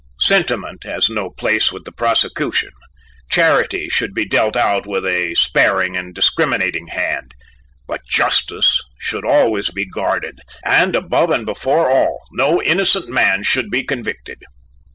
Sentiment has no place with the prosecution: charity should be dealt out with a sparing and discriminating hand, but justice should always be guarded, and above and before all, no innocent man should be convicted.